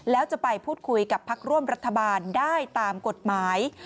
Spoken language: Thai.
แล้วจะไปพูดคุยกับพักร่วมรัฐบาลได้ตามกฎหมาย